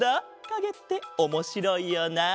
かげっておもしろいよな。